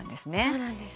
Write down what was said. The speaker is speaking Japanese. そうなんです。